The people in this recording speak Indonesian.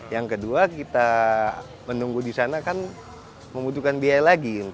yang kedua kita menunggu di sana kan membutuhkan biaya lagi